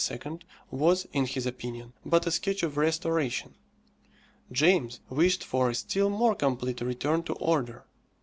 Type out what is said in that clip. was, in his opinion, but a sketch of restoration. James wished for a still more complete return to order.